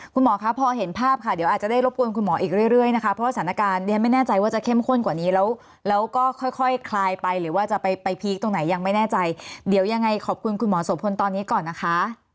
คุณหมอคะพอเห็นภาพค่ะเดี๋ยวอาจจะได้รบกวนคุณหมออีกเรื่อยนะคะเพราะสถานการณ์เรียนไม่แน่ใจว่าจะเข้มข้นกว่านี้แล้วแล้วก็ค่อยคลายไปหรือว่าจะไปพีคตรงไหนยังไม่แน่ใจเดี๋ยวยังไงขอบคุณคุณหมอโสพลตอนนี้ก่อนนะคะ